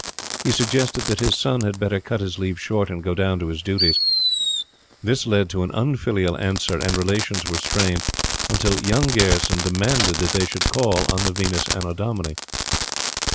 He suggested that his son had better cut his leave short and go down to his duties. This led to an unfilial answer, and relations were strained, until "Young" Gayerson demmanded that they should call on the Venus Annodomini.